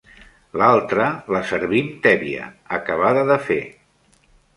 L'altra la servim tèbia, acabada de fer.